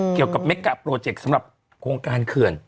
เกี่ยวกับเม็กกะโปรเจกต์สำหรับโครงการเขื่อน